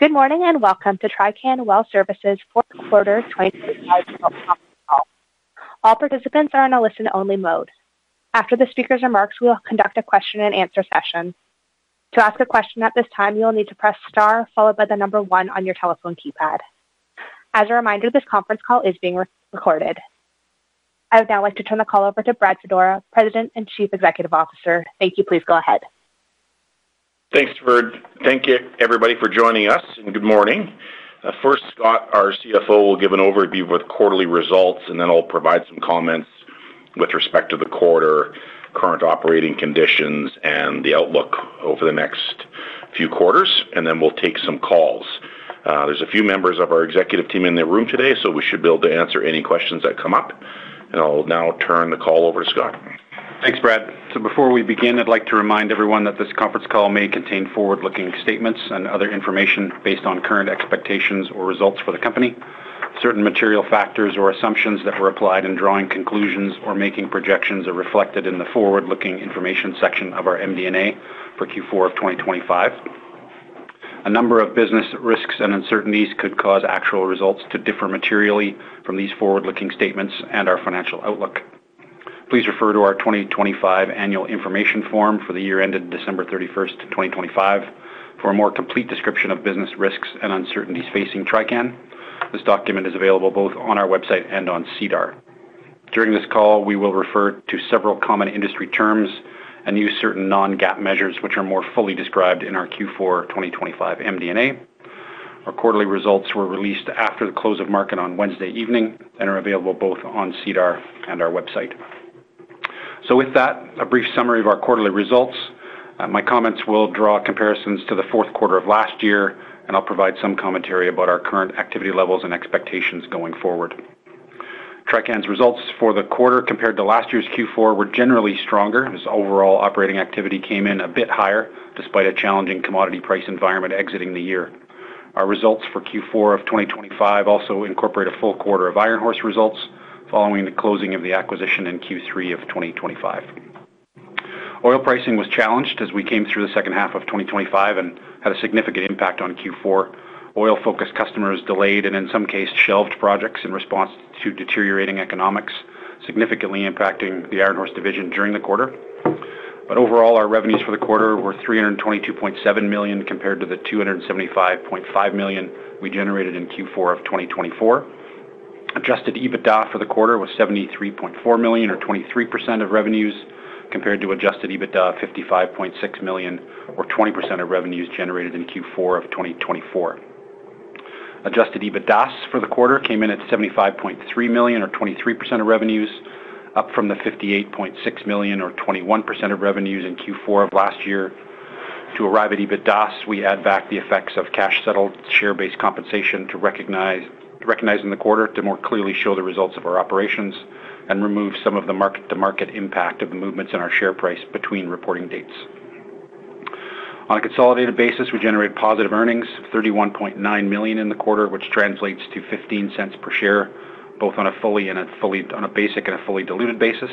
Good morning, and welcome to Trican Well Service Q4 2025 conference call. All participants are in a listen-only mode. After the speaker's remarks, we will conduct a question and answer session. To ask a question at this time, you will need to press star followed by the number 1 on your telephone keypad. As a reminder, this conference call is being re-recorded. I would now like to turn the call over to Brad Fedora, President and Chief Executive Officer. Thank you. Please go ahead. Thank you, everybody, for joining us, and good morning. First, Scott, our CFO, will give an overview with quarterly results, and then I'll provide some comments with respect to the quarter, current operating conditions, and the outlook over the next few quarters, and then we'll take some calls. There's a few members of our executive team in the room today, so we should be able to answer any questions that come up. I'll now turn the call over to Scott. Thanks, Brad. Before we begin, I'd like to remind everyone that this conference call may contain forward-looking statements and other information based on current expectations or results for the company. Certain material factors or assumptions that were applied in drawing conclusions or making projections are reflected in the forward-looking information section of our MD&A for Q4 of 2025. A number of business risks and uncertainties could cause actual results to differ materially from these forward-looking statements and our financial outlook. Please refer to our 2025 annual information form for the year ended December 31, 2025, for a more complete description of business risks and uncertainties facing Trican. This document is available both on our website and on SEDAR. During this call, we will refer to several common industry terms and use certain non-GAAP measures, which are more fully described in our Q4 2025 MD&A. Our quarterly results were released after the close of market on Wednesday evening and are available both on SEDAR and our website. So with that, a brief summary of our quarterly results. My comments will draw comparisons to the Q4 of last year, and I'll provide some commentary about our current activity levels and expectations going forward. Trican's results for the quarter, compared to last year's Q4, were generally stronger, as overall operating activity came in a bit higher, despite a challenging commodity price environment exiting the year. Our results for Q4 of 2025 also incorporate a full quarter of Iron Horse results following the closing of the acquisition in Q3 of 2025. Oil pricing was challenged as we came through the second half of 2025 and had a significant impact on Q4. Oil-focused customers delayed, and in some cases, shelved projects in response to deteriorating economics, significantly impacting the Iron Horse division during the quarter. But overall, our revenues for the quarter were 322.7 million, compared to the 275.5 million we generated in Q4 of 2024. Adjusted EBITDA for the quarter was 73.4 million, or 23% of revenues, compared to Adjusted EBITDA of 55.6 million, or 20% of revenues generated in Q4 of 2024. Adjusted EBITDAS for the quarter came in at 75.3 million, or 23% of revenues, up from the 58.6 million or 21% of revenues in Q4 of last year. To arrive at EBITDAS, we add back the effects of cash-settled, share-based compensation recognizing the quarter to more clearly show the results of our operations and remove some of the market-to-market impact of the movements in our share price between reporting dates. On a consolidated basis, we generate positive earnings of 31.9 million in the quarter, which translates to 0.15 per share, both on a basic and a fully diluted basis.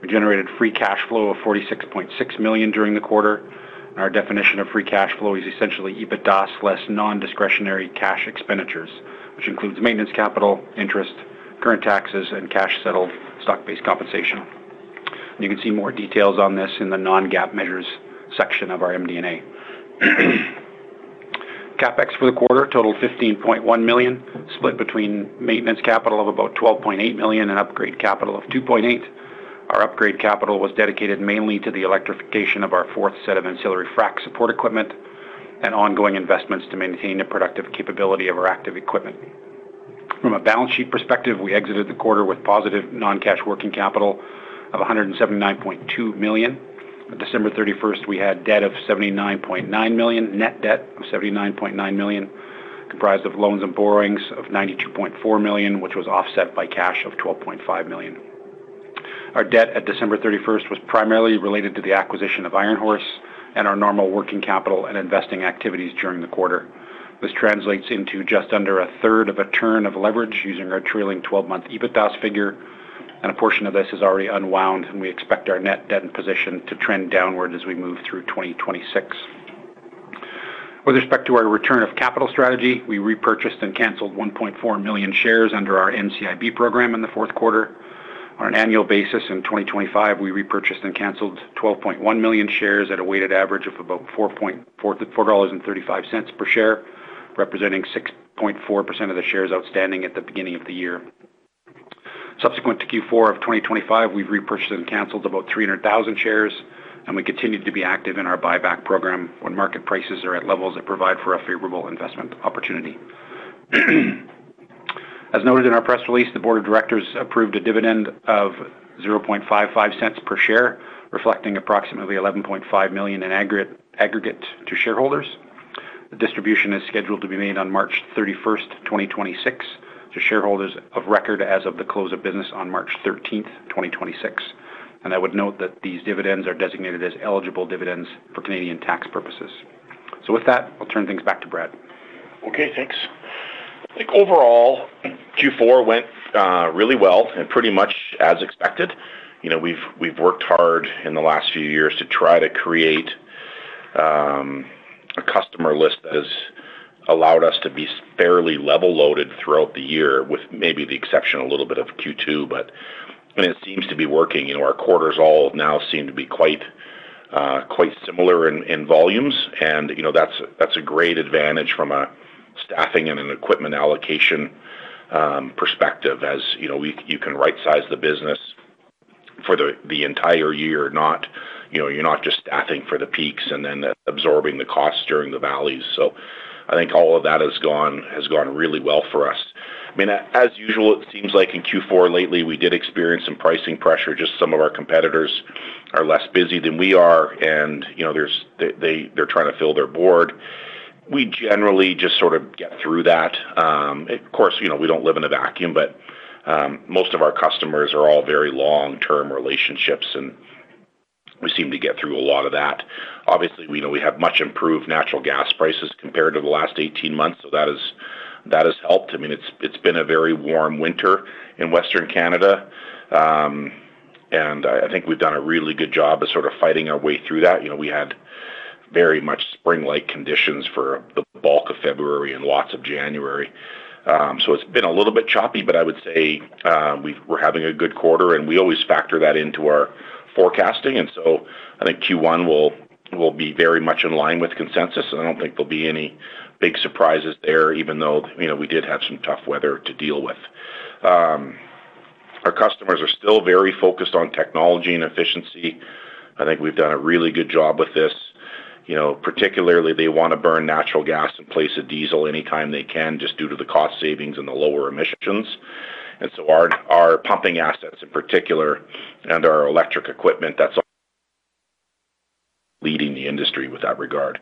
We generated free cash flow of 46.6 million during the quarter. Our definition of free cash flow is essentially EBITDAS less non-discretionary cash expenditures, which includes maintenance capital, interest, current taxes, and cash-settled stock-based compensation. You can see more details on this in the non-GAAP measures section of our MD&A. CapEx for the quarter totaled 15.1 million, split between maintenance capital of about 12.8 million and upgrade capital of 2.8 million. Our upgrade capital was dedicated mainly to the electrification of our fourth set of ancillary frack support equipment and ongoing investments to maintain the productive capability of our active equipment. From a balance sheet perspective, we exited the quarter with positive non-cash working capital of 179.2 million. On December 31, we had debt of 79.9 million, net debt of 79.9 million, comprised of loans and borrowings of 92.4 million, which was offset by cash of 12.5 million. Our debt at December 31 was primarily related to the acquisition of Iron Horse and our normal working capital and investing activities during the quarter. This translates into just under a third of a turn of leverage, using our trailing twelve-month EBITDAS figure, and a portion of this is already unwound, and we expect our net debt and position to trend downward as we move through 2026. With respect to our return of capital strategy, we repurchased and canceled 1.4 million shares under our NCIB program in the Q4. On an annual basis in 2025, we repurchased and canceled 12.1 million shares at a weighted average of about 4.4435 dollars per share, representing 6.4% of the shares outstanding at the beginning of the year. Subsequent to Q4 of 2025, we've repurchased and canceled about 300,000 shares, and we continue to be active in our buyback program when market prices are at levels that provide for a favorable investment opportunity. As noted in our press release, the board of directors approved a dividend of 0.0055 per share, reflecting approximately 11.5 million in aggregate, aggregate to shareholders. The distribution is scheduled to be made on March 31, 2026, to shareholders of record as of the close of business on March 13, 2026. And I would note that these dividends are designated as eligible dividends for Canadian tax purposes. So with that, I'll turn things back to Brad. Okay, thanks. I think overall, Q4 went really well and pretty much as expected. You know, we've worked hard in the last few years to try to create a customer list that has allowed us to be fairly level-loaded throughout the year, with maybe the exception a little bit of Q2, but I mean, it seems to be working. You know, our quarters all now seem to be quite similar in volumes, and you know, that's a great advantage from a staffing and an equipment allocation perspective. As you know, you can rightsize the business for the entire year, not you know, you're not just staffing for the peaks and then absorbing the costs during the valleys. So I think all of that has gone really well for us. I mean, as usual, it seems like in Q4 lately, we did experience some pricing pressure. Just some of our competitors are less busy than we are, and, you know, there's they they're trying to fill their board. We generally just sort of get through that. Of course, you know, we don't live in a vacuum, but, most of our customers are all very long-term relationships, and we seem to get through a lot of that. Obviously, we know we have much improved natural gas prices compared to the last 18 months, so that has helped. I mean, it's been a very warm winter in Western Canada, and I think we've done a really good job of sort of fighting our way through that. You know, we had very much springlike conditions for the bulk of February and lots of January. So it's been a little bit choppy, but I would say we're having a good quarter, and we always factor that into our forecasting. And so I think Q1 will be very much in line with consensus. I don't think there'll be any big surprises there, even though, you know, we did have some tough weather to deal with. Our customers are still very focused on technology and efficiency. I think we've done a really good job with this. You know, particularly, they wanna burn natural gas in place of diesel anytime they can, just due to the cost savings and the lower emissions. And so our pumping assets, in particular, and our electric equipment, that's leading the industry with that regard.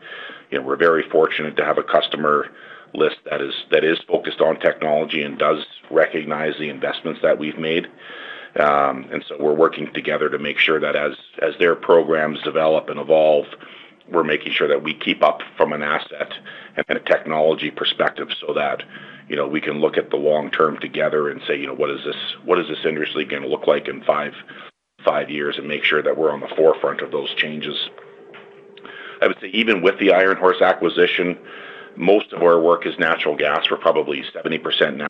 You know, we're very fortunate to have a customer list that is, that is focused on technology and does recognize the investments that we've made. And so we're working together to make sure that as, as their programs develop and evolve, we're making sure that we keep up from an asset and a technology perspective so that, you know, we can look at the long term together and say, you know, "What is this, what is this industry gonna look like in five, five years?" And make sure that we're on the forefront of those changes. I would say, even with the Iron Horse acquisition, most of our work is natural gas. We're probably 70% now,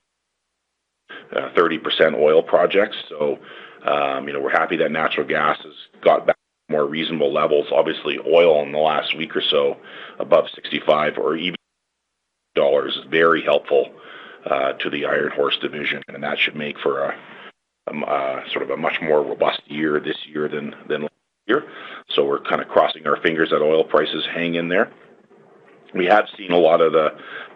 30% oil projects. So, you know, we're happy that natural gas has got back to more reasonable levels. Obviously, oil in the last week or so, above $65 or even dollars, is very helpful to the Iron Horse division, and that should make for a sort of a much more robust year this year than last year. So we're kind of crossing our fingers that oil prices hang in there. We have seen a lot of the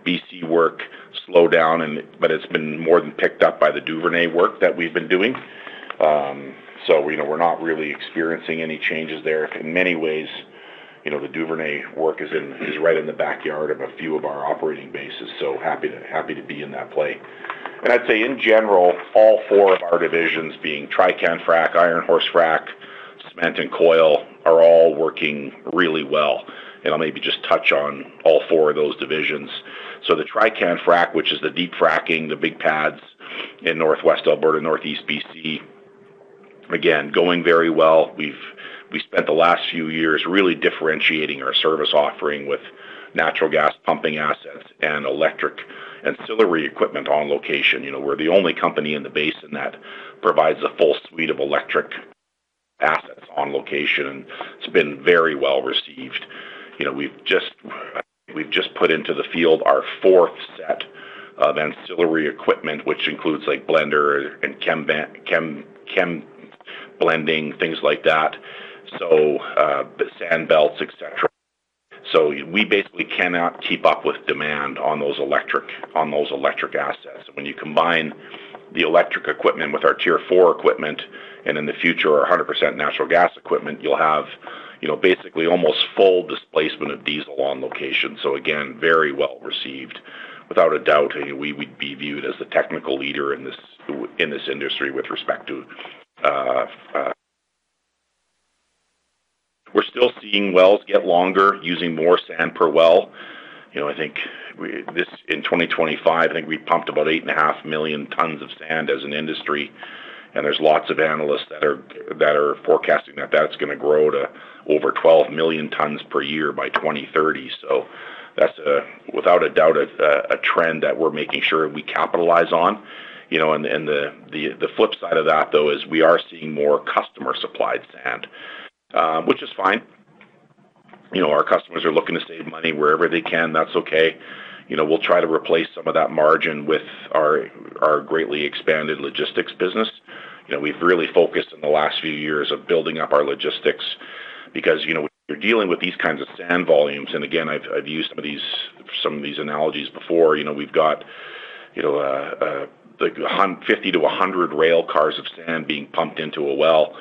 BC work slow down, but it's been more than picked up by the Duvernay work that we've been doing. So, you know, we're not really experiencing any changes there. In many ways, you know, the Duvernay work is in, is right in the backyard of a few of our operating bases, so happy to, happy to be in that play. I'd say, in general, all four of our divisions, being Trican Frac, Iron Horse Frac, Cement, and Coil, are all working really well. And I'll maybe just touch on all four of those divisions. So the Trican Frac, which is the deep fracking, the big pads in Northwest Alberta, Northeast BC, again, going very well. We spent the last few years really differentiating our service offering with natural gas pumping assets and electric ancillary equipment on location. You know, we're the only company in the basin that provides a full suite of electric assets on location. It's been very well received. You know, we've just put into the field our fourth set of ancillary equipment, which includes, like, blender and chem blending, things like that, so the sand belts, et cetera. So we basically cannot keep up with demand on those electric assets. When you combine the electric equipment with our Tier 4 equipment, and in the future, our 100% natural gas equipment, you'll have, you know, basically almost full displacement of diesel on location. So again, very well received. Without a doubt, we would be viewed as the technical leader in this industry with respect to... We're still seeing wells get longer, using more sand per well. You know, I think we-- this, in 2025, I think we pumped about 8.5 million tons of sand as an industry, and there's lots of analysts that are forecasting that that's gonna grow to over 12 million tons per year by 2030. So that's without a doubt a trend that we're making sure we capitalize on. You know, the flip side of that, though, is we are seeing more customer-supplied sand, which is fine. You know, our customers are looking to save money wherever they can. That's okay. You know, we'll try to replace some of that margin with our greatly expanded logistics business. You know, we've really focused in the last few years of building up our logistics because, you know, you're dealing with these kinds of sand volumes. And again, I've used some of these analogies before. You know, we've got, you know, like, 50-100 rail cars of sand being pumped into a well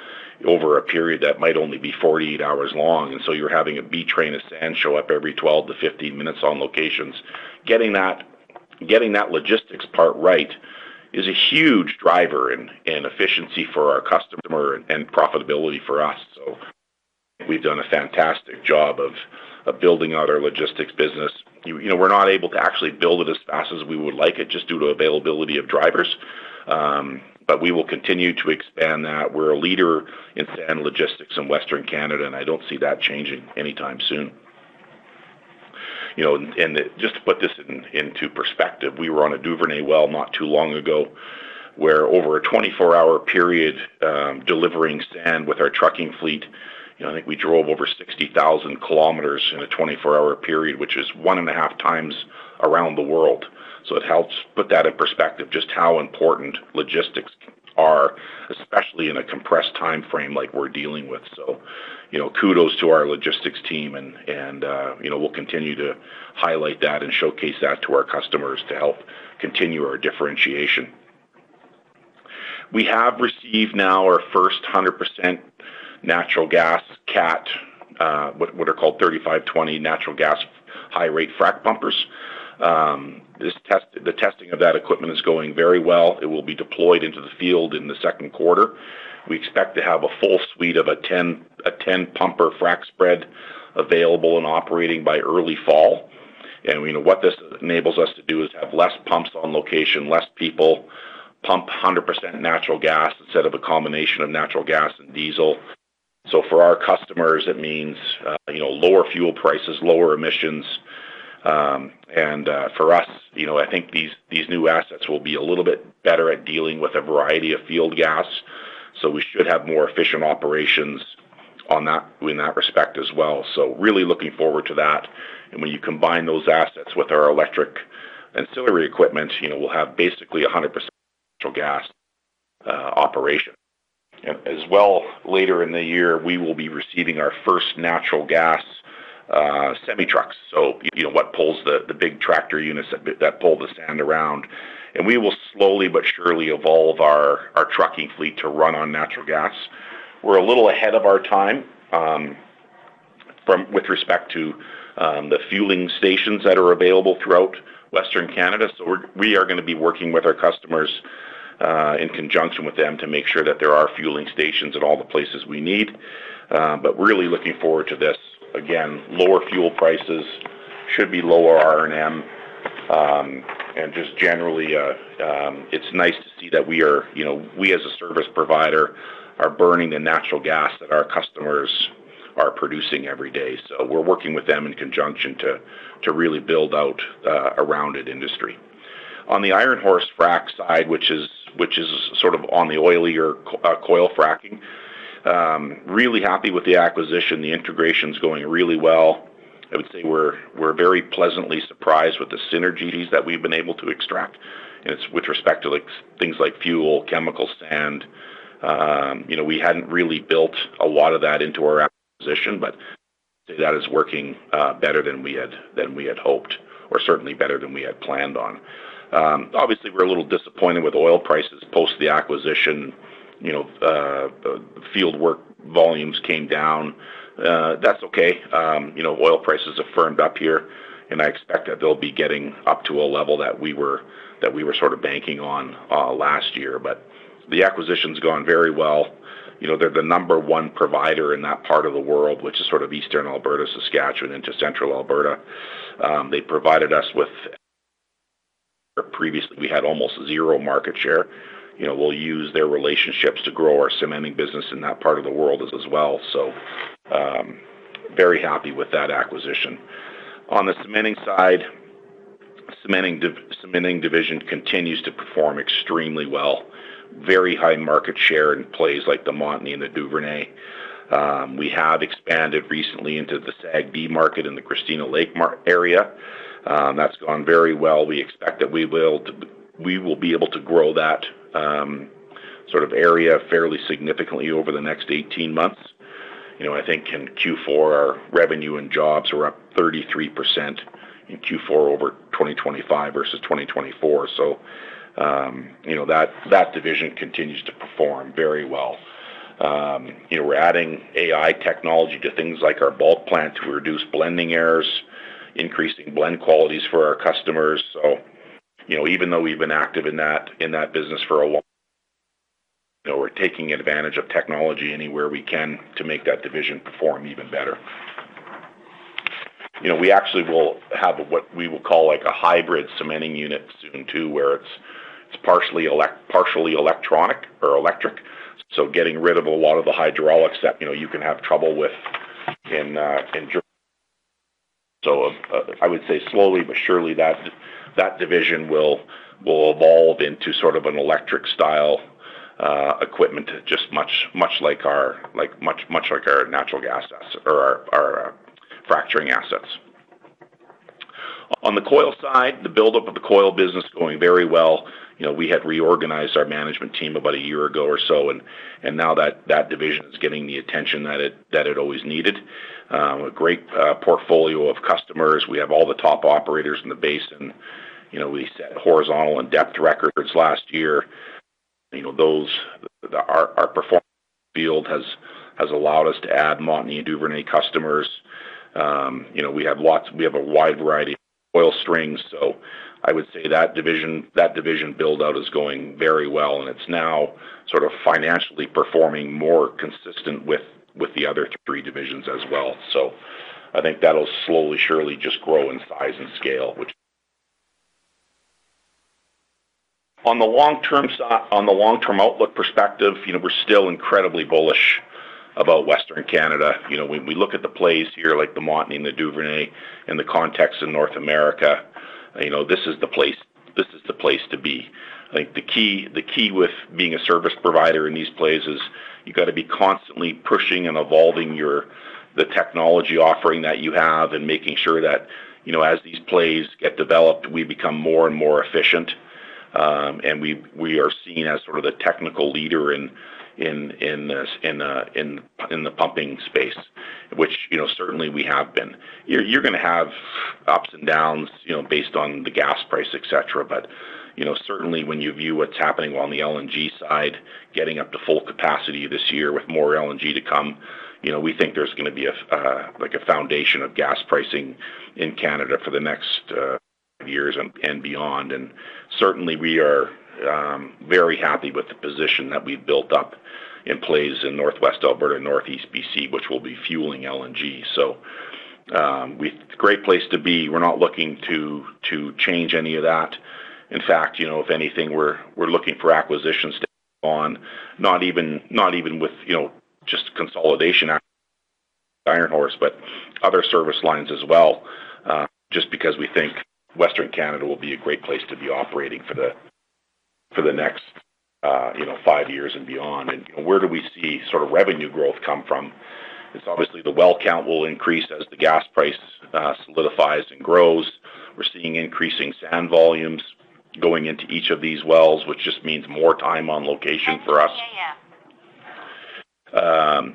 over a period that might only be 48 hours long, and so you're having a B-train of sand show up every 12-15 minutes on locations. Getting that, getting that logistics part right is a huge driver in efficiency for our customer and profitability for us, so. We've done a fantastic job of building out our logistics business. You know, we're not able to actually build it as fast as we would like it, just due to availability of drivers. But we will continue to expand that. We're a leader in sand logistics in Western Canada, and I don't see that changing anytime soon. You know, and just to put this into perspective, we were on a Duvernay well not too long ago, where over a 24-hour period, delivering sand with our trucking fleet, you know, I think we drove over 60,000 kilometers in a 24-hour period, which is 1.5 times around the world. So it helps put that in perspective, just how important logistics are, especially in a compressed timeframe like we're dealing with. So, you know, kudos to our logistics team and, you know, we'll continue to highlight that and showcase that to our customers to help continue our differentiation. We have received now our first 100% natural gas Cat, are called 3520 natural gas high-rate frac pumpers. This testing of that equipment is going very well. It will be deployed into the field in the Q2. We expect to have a full suite of a 10, a 10-pumper frac spread available and operating by early fall. And we know what this enables us to do is have less pumps on location, less people, pump a 100% natural gas instead of a combination of natural gas and diesel. So for our customers, it means, you know, lower fuel prices, lower emissions. And for us, you know, I think these new assets will be a little bit better at dealing with a variety of field gas, so we should have more efficient operations on that, in that respect as well. So really looking forward to that. And when you combine those assets with our electric ancillary equipment, you know, we'll have basically 100% natural gas operation. As well, later in the year, we will be receiving our first natural gas semi-trucks. So, you know, what pulls the big tractor units that pull the sand around, and we will slowly but surely evolve our trucking fleet to run on natural gas. We're a little ahead of our time, with respect to the fueling stations that are available throughout Western Canada. So we are gonna be working with our customers in conjunction with them, to make sure that there are fueling stations in all the places we need. But really looking forward to this. Again, lower fuel prices should be lower R&M. And just generally, it's nice to see that we are, you know, we, as a service provider, are burning the natural gas that our customers are producing every day. So we're working with them in conjunction to really build out a rounded industry. On the Iron Horse Frac side, which is sort of on the oilier coil fracking, really happy with the acquisition. The integration's going really well. I would say we're very pleasantly surprised with the synergies that we've been able to extract. It's with respect to like, things like fuel, chemical, sand. You know, we hadn't really built a lot of that into our acquisition, but that is working better than we had, than we had hoped, or certainly better than we had planned on. Obviously, we're a little disappointed with oil prices post the acquisition. You know, the field work volumes came down. That's okay. You know, oil prices have firmed up here, and I expect that they'll be getting up to a level that we were, that we were sort of banking on last year. But the acquisition's gone very well. You know, they're the number one provider in that part of the world, which is sort of Eastern Alberta, Saskatchewan, into Central Alberta. They provided us with previously, we had almost zero market share. You know, we'll use their relationships to grow our cementing business in that part of the world as well. So, very happy with that acquisition. On the cementing side, cementing division continues to perform extremely well. Very high market share in plays like the Montney and the Duvernay. We have expanded recently into the SAGD market in the Christina Lake area. That's gone very well. We expect that we will be able to grow that sort of area fairly significantly over the next 18 months. You know, I think in Q4, our revenue and jobs are up 33% in Q4 2025 versus 2024. So, you know, that division continues to perform very well. You know, we're adding AI technology to things like our bulk plant to reduce blending errors, increasing blend qualities for our customers. So, you know, even though we've been active in that business for a while, you know, we're taking advantage of technology anywhere we can to make that division perform even better. You know, we actually will have what we will call, like, a hybrid cementing unit soon, too, where it's partially electronic or electric. So getting rid of a lot of the hydraulics that, you know, you can have trouble with in. So I would say slowly but surely, that division will evolve into sort of an electric style, equipment, just much like our natural gas assets or our fracturing assets. On the coil side, the buildup of the coil business is going very well. You know, we had reorganized our management team about a year ago or so, and now that division is getting the attention that it always needed. A great portfolio of customers. We have all the top operators in the basin. You know, we set horizontal and depth records last year. You know, our performance has allowed us to add Montney and Duvernay customers. You know, we have a wide variety of oil strings, so I would say that division build-out is going very well, and it's now sort of financially performing more consistent with the other three divisions as well. So I think that'll slowly, surely just grow in size and scale, which... On the long-term outlook perspective, you know, we're still incredibly bullish about Western Canada. You know, when we look at the plays here, like the Montney and the Duvernay, in the context of North America, you know, this is the place, this is the place to be. I think the key, the key with being a service provider in these plays is you've got to be constantly pushing and evolving your, the technology offering that you have and making sure that, you know, as these plays get developed, we become more and more efficient. And we are seen as sort of the technical leader in the pumping space, which, you know, certainly we have been. You're gonna have ups and downs, you know, based on the gas price, et cetera. But, you know, certainly when you view what's happening on the LNG side, getting up to full capacity this year with more LNG to come, you know, we think there's gonna be a, like, a foundation of gas pricing in Canada for the next years and beyond. And certainly, we are very happy with the position that we've built up in plays in Northwest Alberta and Northeast BC, which will be fueling LNG. So, great place to be. We're not looking to change any of that. In fact, you know, if anything, we're looking for acquisitions to own, not even with, you know, just consolidation Iron Horse, but other service lines as well, just because we think Western Canada will be a great place to be operating for the next, you know, five years and beyond. Where do we see sort of revenue growth come from? It's obviously the well count will increase as the gas price solidifies and grows. We're seeing increasing sand volumes going into each of these wells, which just means more time on location for us.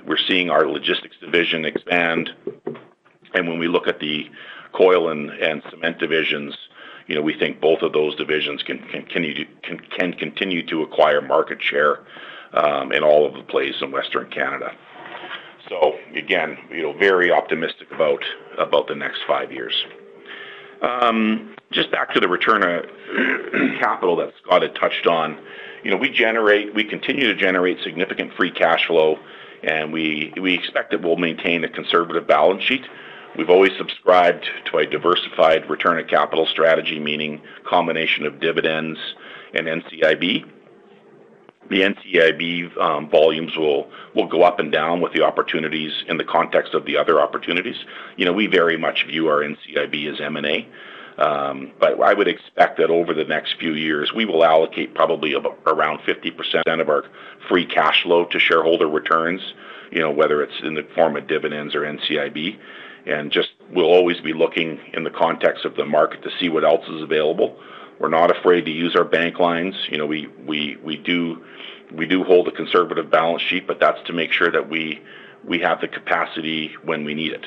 We're seeing our logistics division expand, and when we look at the coil and cement divisions, you know, we think both of those divisions can continue to acquire market share in all of the plays in Western Canada. So again, you know, very optimistic about the next five years. Just back to the return on capital that Scott had touched on. You know, we generate—we continue to generate significant free cash flow, and we expect that we'll maintain a conservative balance sheet. We've always subscribed to a diversified return on capital strategy, meaning combination of dividends and NCIB. The NCIB volumes will go up and down with the opportunities in the context of the other opportunities. You know, we very much view our NCIB as M&A. But I would expect that over the next few years, we will allocate probably about around 50% of our free cash flow to shareholder returns, you know, whether it's in the form of dividends or NCIB. And just, we'll always be looking in the context of the market to see what else is available. We're not afraid to use our bank lines. You know, we do hold a conservative balance sheet, but that's to make sure that we have the capacity when we need it.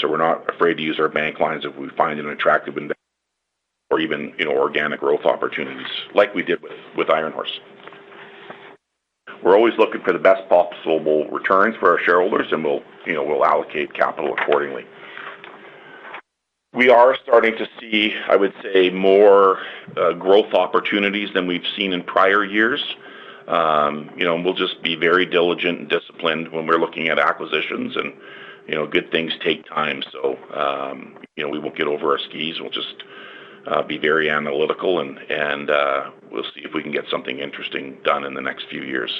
So we're not afraid to use our bank lines if we find an attractive investment or even, you know, organic growth opportunities like we did with Iron Horse. We're always looking for the best possible returns for our shareholders, and we'll, you know, we'll allocate capital accordingly. We are starting to see, I would say, more growth opportunities than we've seen in prior years. You know, and we'll just be very diligent and disciplined when we're looking at acquisitions, and, you know, good things take time. So, you know, we will get over our skis. We'll just be very analytical and, we'll see if we can get something interesting done in the next few years.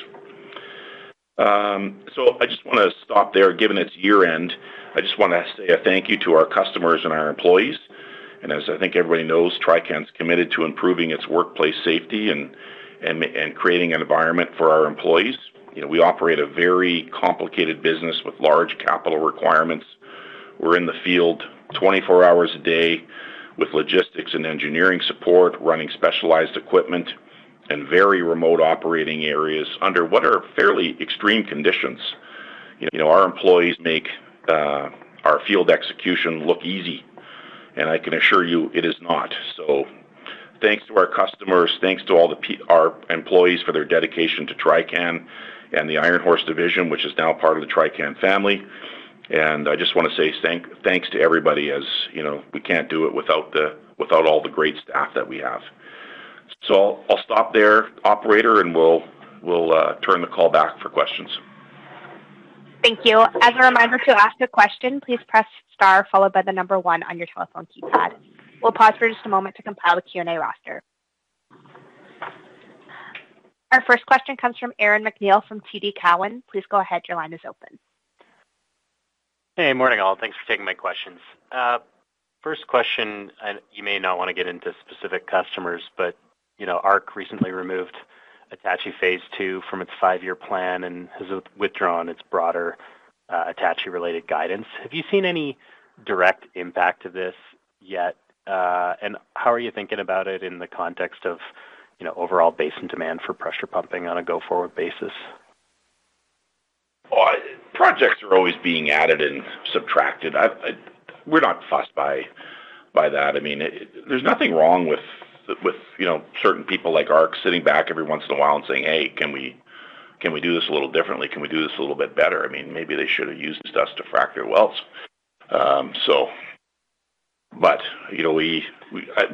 So I just wanna stop there, given it's year-end. I just wanna say a thank you to our customers and our employees. And as I think everybody knows, Trican's committed to improving its workplace safety and creating an environment for our employees. You know, we operate a very complicated business with large capital requirements. We're in the field 24 hours a day with logistics and engineering support, running specialized equipment in very remote operating areas under what are fairly extreme conditions. You know, our employees make our field execution look easy, and I can assure you it is not. So thanks to our customers, thanks to all our employees for their dedication to Trican and the Iron Horse division, which is now part of the Trican family. And I just wanna say thanks to everybody. As you know, we can't do it without all the great staff that we have. So I'll stop there, operator, and we'll turn the call back for questions. Thank you. As a reminder, to ask a question, please press Star followed by the number one on your telephone keypad. We'll pause for just a moment to compile the Q&A roster. Our first question comes from Aaron MacNeil from TD Cowen. Please go ahead. Your line is open. Hey, morning, all. Thanks for taking my questions. First question, and you may not wanna get into specific customers, but, you know, ARC recently removed Attachie Phase Two from its five-year plan and has withdrawn its broader, Attachie-related guidance. Have you seen any direct impact to this yet? And how are you thinking about it in the context of, you know, overall basin demand for pressure pumping on a go-forward basis? Projects are always being added and subtracted. We're not fussed by that. I mean, there's nothing wrong with you know, certain people like ARC sitting back every once in a while and saying, "Hey, can we, can we do this a little differently? Can we do this a little bit better?" I mean, maybe they should have used us to frac their wells. You know,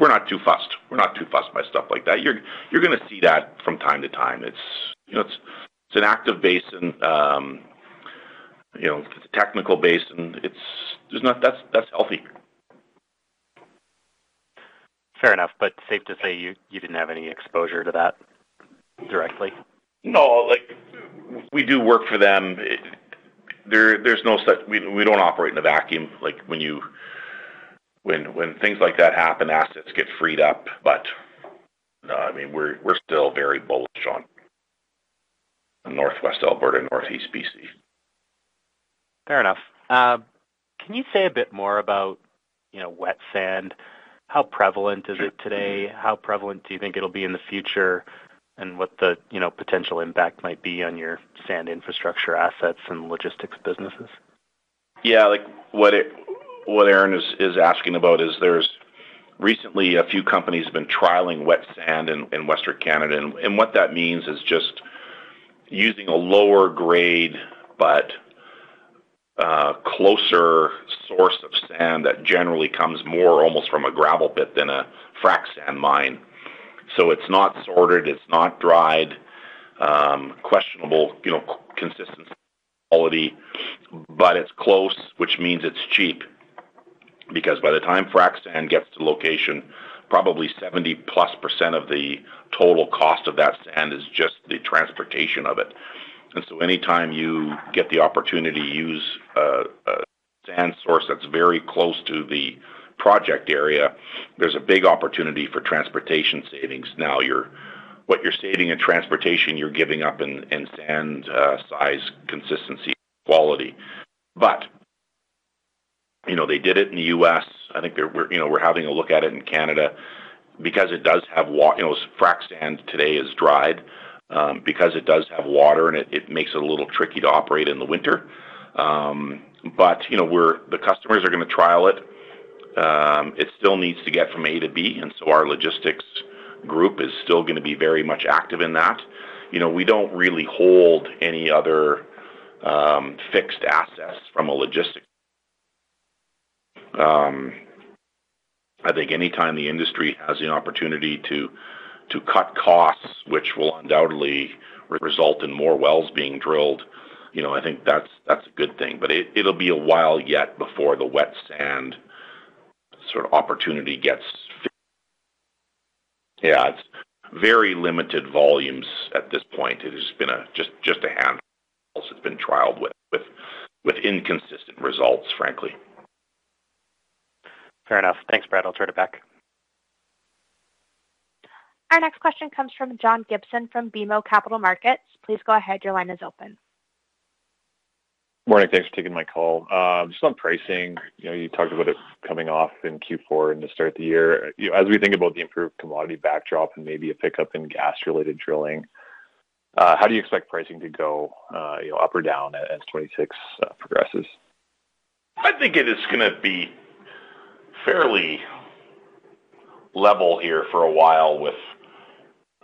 we're not too fussed. We're not too fussed by stuff like that. You're gonna see that from time to time. You know, an active basin, you know, technical basin. That's healthy. Fair enough, but safe to say you didn't have any exposure to that directly? No, like, we do work for them. There's no such... We don't operate in a vacuum. Like, when things like that happen, assets get freed up. But, I mean, we're still very bullish on Northwest Alberta, Northeast BC. Fair enough. Can you say a bit more about, you know, wet sand? How prevalent is it today? Sure. How prevalent do you think it'll be in the future, and what the, you know, potential impact might be on your sand infrastructure, assets, and logistics businesses? Yeah, like, what Aaron is asking about is there's recently a few companies have been trialing wet sand in Western Canada. What that means is just using a lower grade, but closer source of sand that generally comes more almost from a gravel pit than a frac sand mine. So it's not sorted, it's not dried, questionable, you know, consistency, quality, but it's close, which means it's cheap. Because by the time frac sand gets to location, probably 70%+ of the total cost of that sand is just the transportation of it. So anytime you get the opportunity to use a sand source that's very close to the project area, there's a big opportunity for transportation savings. Now, what you're saving in transportation, you're giving up in sand size, consistency, quality. But, you know, they did it in the US. I think we're having a look at it in Canada because it does have water, you know, frac sand today is dried. Because it does have water in it, it makes it a little tricky to operate in the winter. But, you know, the customers are gonna trial it. It still needs to get from A to B, and so our logistics group is still gonna be very much active in that. You know, we don't really hold any other fixed assets from a logistics. I think anytime the industry has the opportunity to cut costs, which will undoubtedly result in more wells being drilled, you know, I think that's a good thing. But it, it'll be a while yet before the wet sand sort of opportunity gets... Yeah, it's very limited volumes at this point. It has been just a handful wells that's been trialed with inconsistent results, frankly. Fair enough. Thanks, Brad. I'll turn it back. Our next question comes from John Gibson, from BMO Capital Markets. Please go ahead. Your line is open. Morning. Thanks for taking my call. Just on pricing, you know, you talked about it coming off in Q4 and the start of the year. You know, as we think about the improved commodity backdrop and maybe a pickup in gas-related drilling, how do you expect pricing to go, you know, up or down as 2026 progresses? I think it is gonna be fairly level here for a while, with,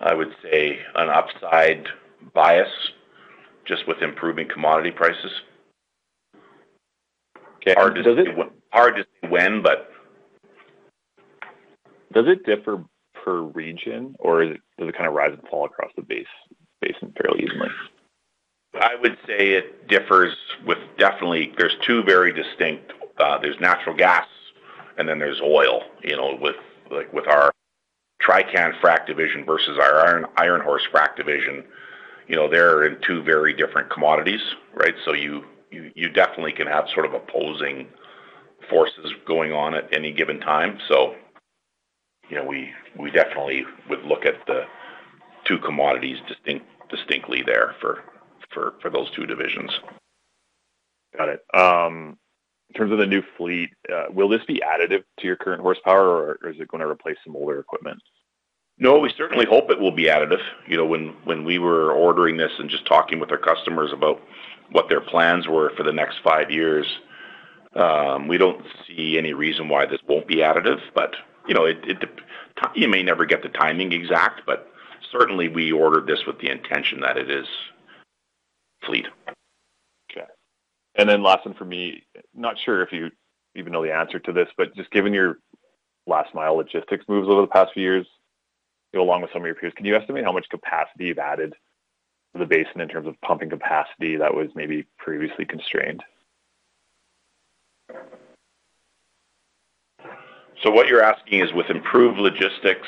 I would say, an upside bias, just with improving commodity prices. Okay. Hard to say- Does it- Hard to say when, but... Does it differ per region, or does it kind of rise and fall across the basin fairly easily? I would say it differs with definitely. There's two very distinct, there's natural gas, and then there's oil, you know, with, like, with our Trican Frac division versus our Iron, Iron Horse Frac division. You know, they're in two very different commodities, right? So you definitely can have sort of opposing forces going on at any given time. So, you know, we definitely would look at the two commodities distinctly there for those two divisions. Got it. In terms of the new fleet, will this be additive to your current horsepower, or is it gonna replace some older equipment? No, we certainly hope it will be additive. You know, when we were ordering this and just talking with our customers about what their plans were for the next five years, we don't see any reason why this won't be additive, but, you know, it. You may never get the timing exact, but certainly, we ordered this with the intention that it is fleet. Okay. And then last one for me. Not sure if you even know the answer to this, but just given your last mile logistics moves over the past few years, along with some of your peers, can you estimate how much capacity you've added to the basin in terms of pumping capacity that was maybe previously constrained? What you're asking is, with improved logistics,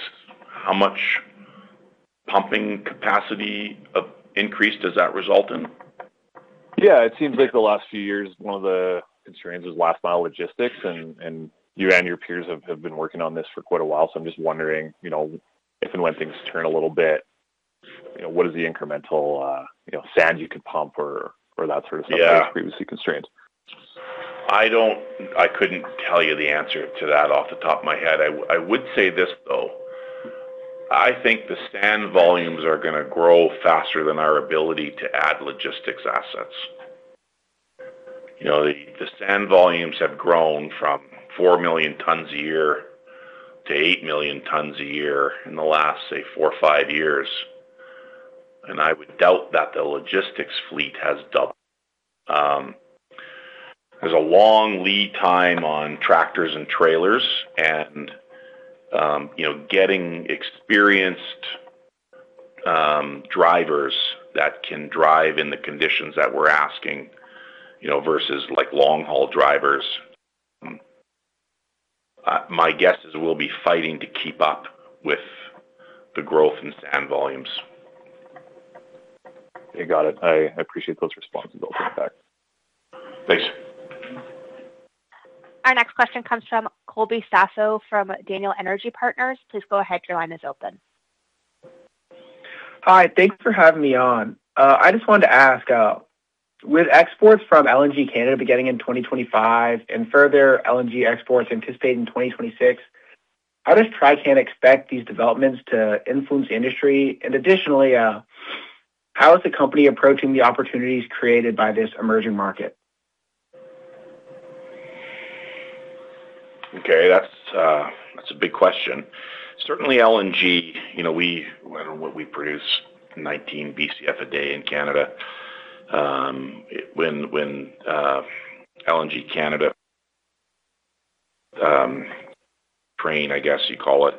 how much pumping capacity of increase does that result in? Yeah. It seems like the last few years, one of the constraints is last-mile logistics, and you and your peers have been working on this for quite a while. So I'm just wondering, you know, if and when things turn a little bit, you know, what is the incremental, you know, sand you could pump or that sort of stuff- Yeah - that was previously constrained? I don't. I couldn't tell you the answer to that off the top of my head. I, I would say this, though. I think the sand volumes are gonna grow faster than our ability to add logistics assets. You know, the sand volumes have grown from 4 million tons a year to 8 million tons a year in the last, say, four or five years, and I would doubt that the logistics fleet has doubled. There's a long lead time on tractors and trailers and, you know, getting experienced drivers that can drive in the conditions that we're asking, you know, versus like long-haul drivers. My guess is we'll be fighting to keep up with the growth in sand volumes. Hey, got it. I appreciate those responses, those facts. Thanks. Our next question comes from Colby Sasso from Daniel Energy Partners. Please go ahead. Your line is open. Hi, thanks for having me on. I just wanted to ask, with exports from LNG Canada beginning in 2025 and further LNG exports anticipated in 2026, how does Trican expect these developments to influence the industry? And additionally, how is the company approaching the opportunities created by this emerging market? Okay. That's, that's a big question. Certainly, LNG, you know, what we produce 19 BCF a day in Canada. When LNG Canada train, I guess you call it,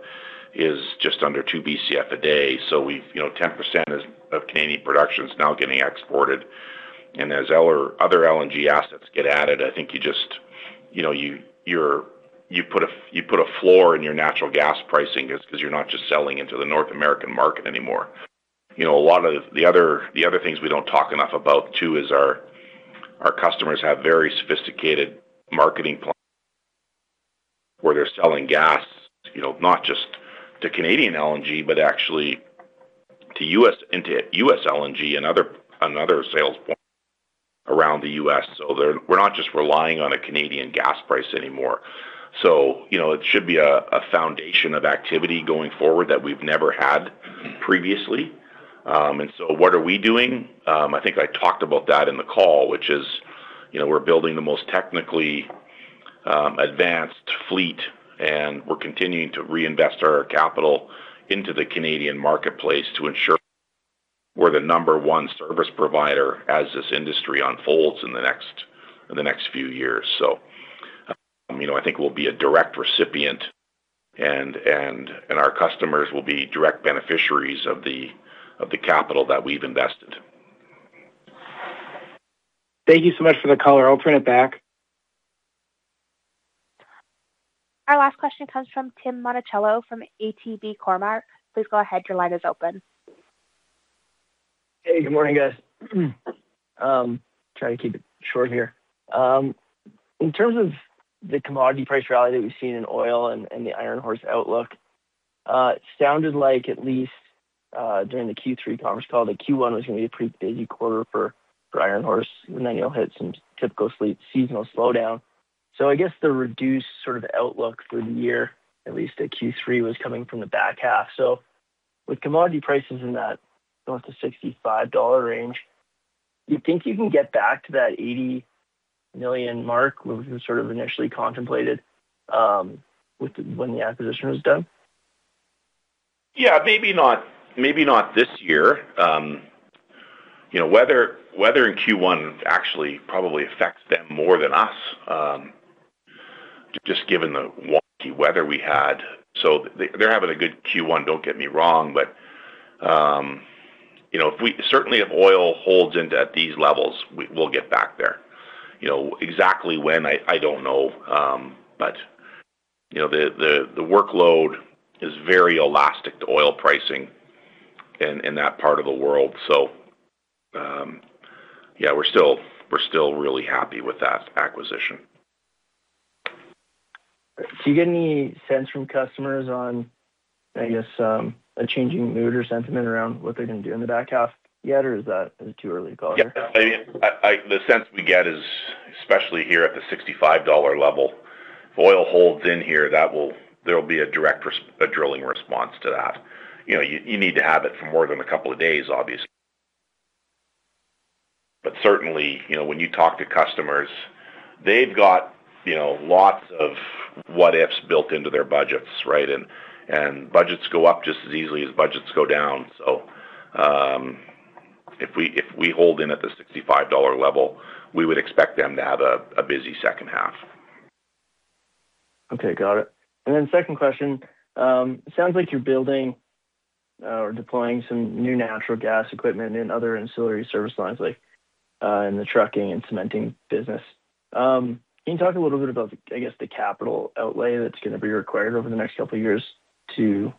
is just under 2 BCF a day. So we've... You know, 10% of Canadian production is now getting exported. And as other LNG assets get added, I think you just, you know, you put a floor in your natural gas pricing just 'cause you're not just selling into the North American market anymore. You know, a lot of the other things we don't talk enough about too is our customers have very sophisticated marketing plans, where they're selling gas, you know, not just to Canadian LNG, but actually to U.S., into U.S. LNG and another sales point around the U.S. So we're not just relying on a Canadian gas price anymore. So, you know, it should be a foundation of activity going forward that we've never had previously. And so what are we doing? I think I talked about that in the call, which is, you know, we're building the most technically advanced fleet, and we're continuing to reinvest our capital into the Canadian marketplace to ensure we're the number one service provider as this industry unfolds in the next few years. So, you know, I think we'll be a direct recipient and our customers will be direct beneficiaries of the capital that we've invested. Thank you so much for the color. I'll turn it back. Our last question comes from Tim Monticello, from ATB Capital Markets. Please go ahead. Your line is open. Hey, good morning, guys. Try to keep it short here. In terms of the commodity price rally that we've seen in oil and, and the Iron Horse outlook, it sounded like at least during the Q3 conference call, that Q1 was gonna be a pretty busy quarter for, for Iron Horse, and then you'll hit some typical seasonal slowdown. So I guess the reduced sort of outlook for the year, at least at Q3, was coming from the back half. So with commodity prices in that north to $65 range, do you think you can get back to that 80 million mark, which was sort of initially contemplated when the acquisition was done? Yeah, maybe not, maybe not this year. You know, weather in Q1 actually probably affects them more than us, just given the wonky weather we had. So they, they're having a good Q1, don't get me wrong, but, you know, if we certainly, if oil holds in at these levels, we'll get back there. You know, exactly when, I don't know, but, you know, the workload is very elastic to oil pricing in that part of the world. So, yeah, we're still really happy with that acquisition. Do you get any sense from customers on, I guess, a changing mood or sentiment around what they're gonna do in the back half yet, or is that too early to call? Yeah, I... The sense we get is, especially here at the $65 level, if oil holds in here, that will be a direct response to that. You know, you need to have it for more than a couple of days, obviously. But certainly, you know, when you talk to customers, they've got, you know, lots of what-ifs built into their budgets, right? And budgets go up just as easily as budgets go down. So, if we hold in at the $65 level, we would expect them to have a busy second half. Okay, got it. And then second question. It sounds like you're building or deploying some new natural gas equipment in other ancillary service lines, like, in the trucking and cementing business. Can you talk a little bit about, I guess, the capital outlay that's gonna be required over the next couple of years to,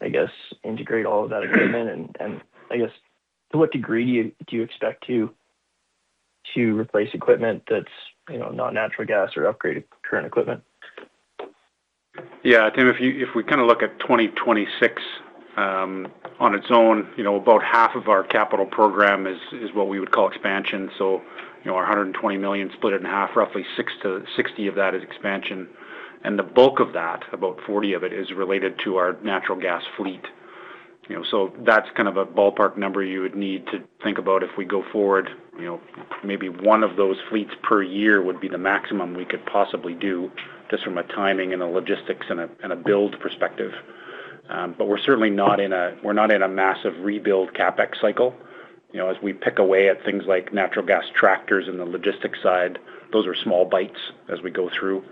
I guess, integrate all of that equipment? And, I guess, to what degree do you expect to replace equipment that's, you know, not natural gas or upgraded current equipment? Yeah, Tim, if we kinda look at 2026 on its own, you know, about half of our capital program is what we would call expansion. So, you know, our 120 million split in half, roughly 60-60 of that is expansion, and the bulk of that, about 40 of it, is related to our natural gas fleet.... You know, so that's kind of a ballpark number you would need to think about if we go forward. You know, maybe one of those fleets per year would be the maximum we could possibly do, just from a timing and a logistics and a build perspective. But we're certainly not in a massive rebuild CapEx cycle. You know, as we pick away at things like natural gas tractors in the logistics side, those are small bites as we go through.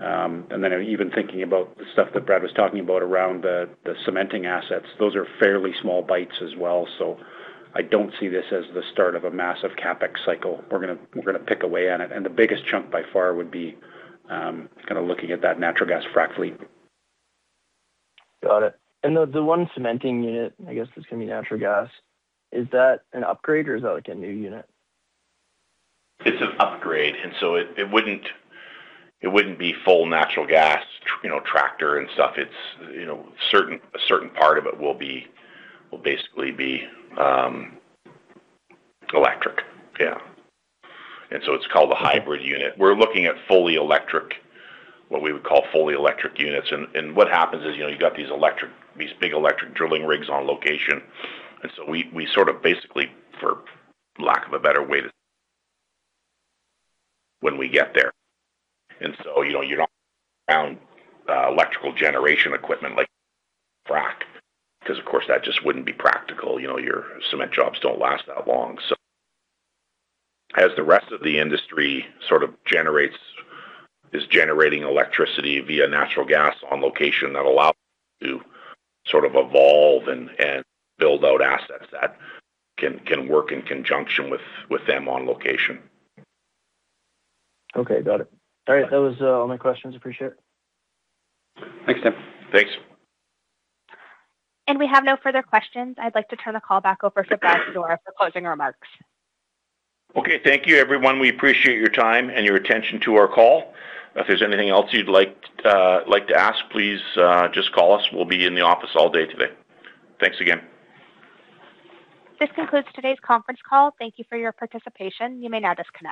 And then even thinking about the stuff that Brad was talking about around the cementing assets, those are fairly small bites as well. So I don't see this as the start of a massive CapEx cycle. We're gonna pick away at it, and the biggest chunk by far would be kind of looking at that natural gas frack fleet. Got it. And the one cementing unit, I guess, that's gonna be natural gas. Is that an upgrade or is that, like, a new unit? It's an upgrade, and so it wouldn't be full natural gas, you know, tractor and stuff. It's, you know, a certain part of it will basically be electric. Yeah. And so it's called a hybrid unit. We're looking at fully electric, what we would call fully electric units. And what happens is, you know, you got these big electric drilling rigs on location, and so we sort of basically, for lack of a better way to. When we get there, and so, you know, you don't haul electrical generation equipment like frack, because of course, that just wouldn't be practical. You know, your cement jobs don't last that long. As the rest of the industry sort of generates, is generating electricity via natural gas on location, that allows you to sort of evolve and build out assets that can work in conjunction with them on location. Okay, got it. All right. That was all my questions. Appreciate it. Thanks, Tim. Thanks. We have no further questions. I'd like to turn the call back over to Brad Fedora for closing remarks. Okay, thank you, everyone. We appreciate your time and your attention to our call. If there's anything else you'd like, like to ask, please, just call us. We'll be in the office all day today. Thanks again. This concludes today's conference call. Thank you for your participation. You may now disconnect.